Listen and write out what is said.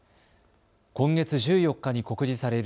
今月１４日に告示される